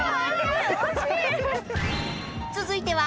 ［続いては］